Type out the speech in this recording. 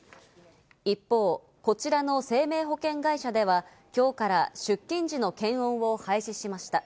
一方、こちらの生命保険会社では今日から出勤時の検温を廃止しました。